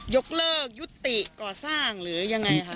ยกเลิกยุติก่อสร้างหรือยังไงค่ะ